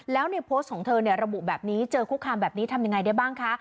แล้วในโพสต์ของเธอระบุแบบนี้เจอคุกคามแบบนี้ทำยังไงได้บ้างคะ